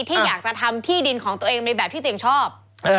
ที่อยากจะทำที่ดินของตัวเองในแบบที่ตัวเองชอบ